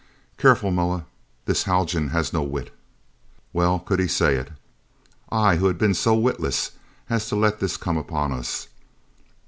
Careful, Moa! This Haljan has no wit." Well could he say it. I, who had been so witless as to let this come upon us!